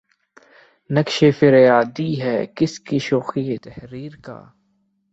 نقش فریادی ہے کس کی شوخیٴ تحریر کا؟